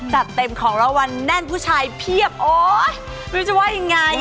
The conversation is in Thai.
จัดเต็มของรางวัลแน่นผู้ชายเพียบโอ๊ยรู้จะว่ายังไง